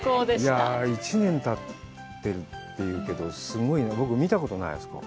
いや、１年たってるというけどすごいな、僕、見たことない、あそこ。